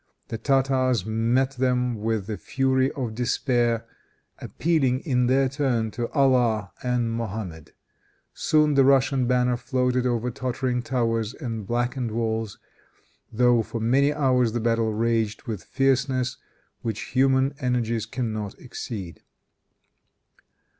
The Tartars met them with the fury of despair, appealing, in their turn, to Allah and Mohammed. Soon the Russian banner floated over tottering towers and blackened walls, though for many hours the battle raged with fierceness, which human energies can not exceed.